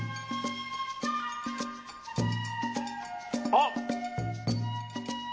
あっ！